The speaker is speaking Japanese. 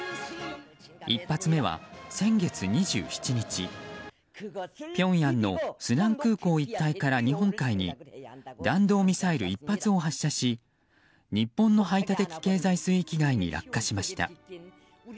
１発目は先月２７日ピョンヤンの須安空港一帯から日本海に弾道ミサイル１発を発射し日本の排他的経済水域外に落下しました。